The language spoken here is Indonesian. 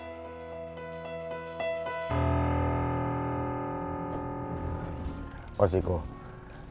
katanya bella ngajak jalan anak anak ke taman